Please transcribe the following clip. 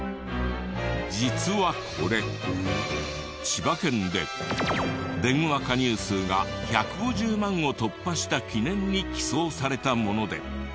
実はこれ千葉県で電話加入数が１５０万を突破した記念に寄贈されたもので。